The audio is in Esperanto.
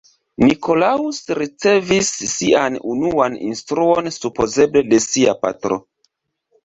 Nicolaus ricevis sian unuan instruo supozeble de sia patro.